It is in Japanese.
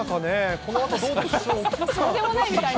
このあとどうでしょうか。